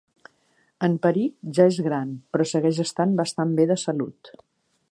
En Peric ja és gran, però segueix estant bastant bé de salut.